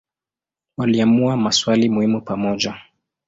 Waliamua maswali muhimu pamoja.